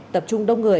tập trung đông người